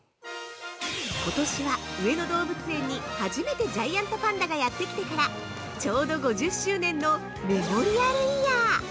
ことしは上野動物園に初めてジャイアントパンダがやってきてからちょうど５０周年のメモリアルイヤー！